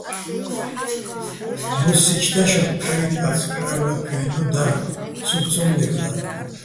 მო́სსიჩო̆ დაშაღ "ფჰ̦არიჼკაწ, ფჰ̦არავლაქვიენო̆" დარ, სოუბო̆ ცო́მ ლე́ვლა́რ.